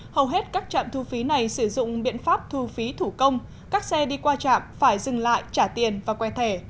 hầu hết các trạm thu phí này sử dụng biện pháp thu phí thủ công các xe đi qua trạm phải dừng lại trả tiền và quẹ